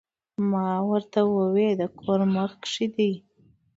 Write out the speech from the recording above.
ما ورته ووې د کور مخ کښې دې